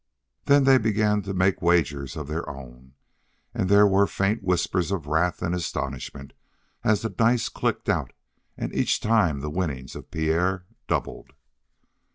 Then they began to make wagers of their own, and there were faint whispers of wrath and astonishment as the dice clicked out and each time the winnings of Pierre doubled.